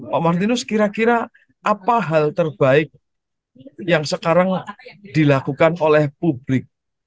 pak martinus kira kira apa hal terbaik yang sekarang dilakukan oleh publik